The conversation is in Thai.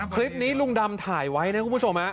คลิปนี้ลุงดำถ่ายไว้นะคุณผู้ชม